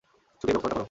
শুধু এই ব্যবস্থাটা কর।